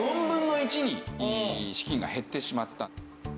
４分の１に資金が減ってしまった。